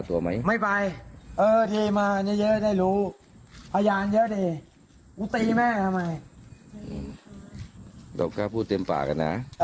เจ๊มึงจะถ่าย